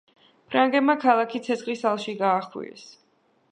ფრანგებმა ქალაქი ცეცხლის ალში გაახვიეს.